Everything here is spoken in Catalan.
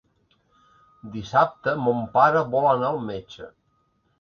Dissabte mon pare vol anar al metge.